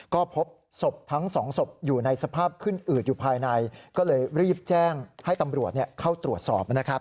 ก็พบศพทั้งสองศพอยู่ในสภาพขึ้นอืดอยู่ภายในก็เลยรีบแจ้งให้ตำรวจเข้าตรวจสอบนะครับ